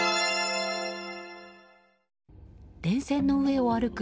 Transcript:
電線の上を歩く